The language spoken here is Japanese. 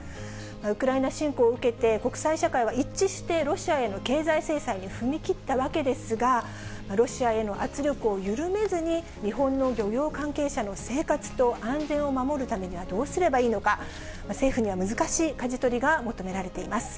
ウクライナ侵攻を受けて、国際社会は一致してロシアへの経済制裁に踏み切ったわけですが、ロシアへの圧力を緩めずに、日本の漁業関係者の生活と安全を守るためにはどうすればいいのか、政府には難しいかじ取りが求められています。